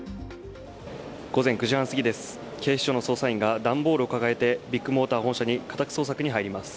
午前９時半過ぎです。